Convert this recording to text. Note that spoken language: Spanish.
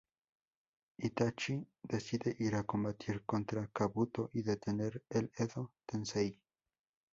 Itachi decide ir a combatir contra Kabuto y detener el Edo Tensei.